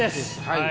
はい。